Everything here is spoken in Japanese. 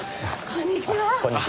こんにちは。